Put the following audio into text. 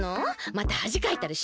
またはじかいたりしない？